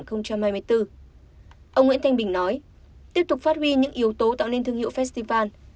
ông nguyễn thanh bình nói tiếp tục phát huy những yếu tố tạo nên thương hiệu festival